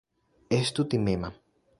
Estu timema.